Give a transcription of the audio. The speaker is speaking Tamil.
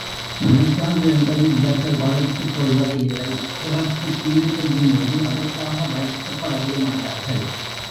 மனச்சான்று என்பது இவர்கள் வளர்த்துக்கொள்வது இல்லை பிறர்க்குத் தீமை செய்யும்போது அதற்காக வருத்தப்படவே மாட்டார்கள்.